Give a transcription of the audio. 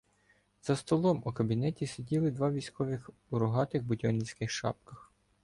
За столом у кабінеті сиділи два військових у рогатих будьонівських шапках.